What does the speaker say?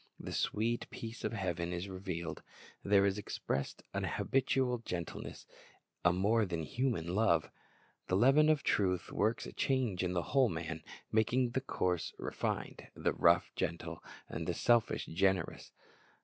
The sweet peace of heaven is revealed. There is expressed a habitual gentleness, a more than human love. The leaven of truth works a change in the whole man, making the coarse refined, the rough gentle, the selfish generous.